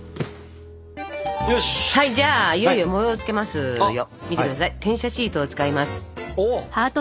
じゃあいよいよ模様をつけますよ！